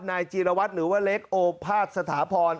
นายจีรวัตรหรือว่าเล็กโอภาษสถาพร